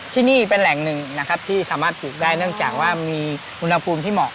ที่นี่เป็นแหล่งหนึ่งนะครับที่สามารถปลูกได้เนื่องจากว่ามีอุณหภูมิที่เหมาะ